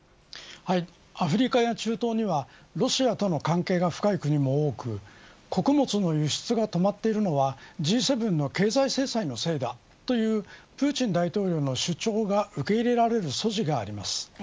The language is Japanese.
アフリカや中東にはロシアとの関係が深い国も多く穀物の輸出が止まっているのはＧ７の経済制裁のせいだ、というプーチン大統領の主張が受け入れられる素地があります。